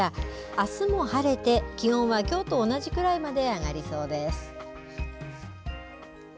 あすも晴れて、気温はきょうと同じくらいまで上がりそうです。